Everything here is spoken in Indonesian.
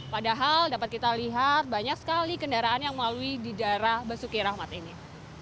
padahal dapat kita lihat banyak sekali kendaraan yang melalui di daerah basuki rahmat ini